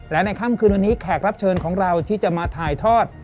และในค่ำคืนวันนี้แขกรับเชิญของเราที่จะมาถ่ายทอด